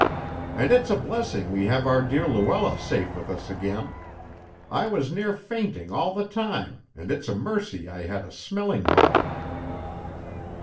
And it's a blessing we have our dear Luella safe with us again. I was near fainting all the time, and it's a mercy I had a smelling bottle."